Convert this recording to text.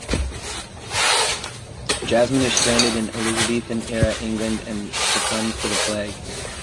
Jasmine is stranded in Elizabethan era England, and succumbs to the Plague.